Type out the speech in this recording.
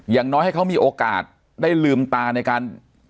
อย่างน้อยให้เขามีโอกาสได้ลืมตาในการ